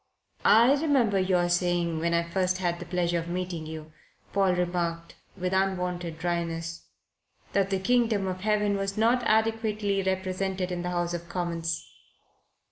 "I remember your saying, when I first had the pleasure of meeting you," Paul remarked, with unwonted dryness, "that the Kingdom of Heaven was not adequately represented in the House of Commons."